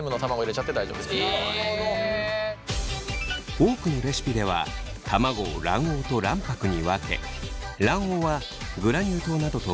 多くのレシピでは卵を卵黄と卵白に分け卵黄はグラニュー糖などと混ぜて生地に。